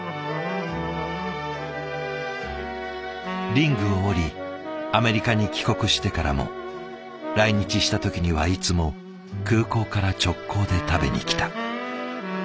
リングを降りアメリカに帰国してからも来日した時にはいつも空港から直行で食べに来た。